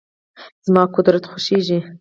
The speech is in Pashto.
زما قورت خوشیزی.